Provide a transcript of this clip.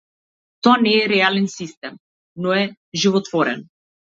Тоа не е реален систем, но е животворен.